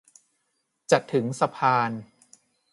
จะถึงสะพาน